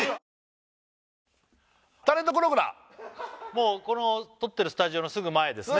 もうこの撮ってるスタジオのすぐ前ですね